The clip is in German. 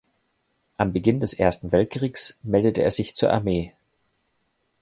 Am Beginn des Ersten Weltkrieges meldete er sich zur Armee.